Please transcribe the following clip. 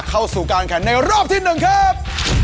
เข้าสู่การแข่งในรอบที่๑ครับ